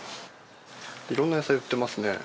いろんな野菜売ってますね。